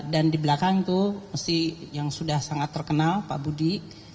di belakang itu mesti yang sudah sangat terkenal pak budi